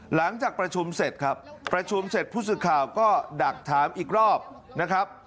หลังจากประชุมเสร็จครับประชุมเสร็จผู้สื่อข่าวก็ดักถามอีกรอบนะครับ